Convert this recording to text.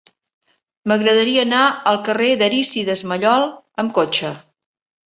M'agradaria anar al carrer d'Arístides Maillol amb cotxe.